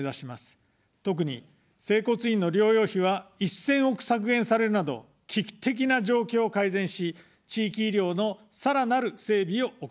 特に整骨院の療養費は、１０００億削減されるなど危機的な状況を改善し、地域医療のさらなる整備を行います。